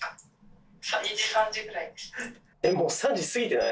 えっもう３時過ぎてない？